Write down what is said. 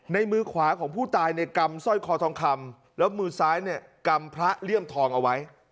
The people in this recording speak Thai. ในมือขวาของผู้ตายในกำสร้อยคอทองคำแล้วมือซ้ายเนี่ยกำพระเลี่ยมทองเอาไว้